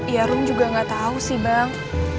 ya room juga nggak tahu sih bang